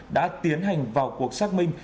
đã tiến hành vào cuộc xác minh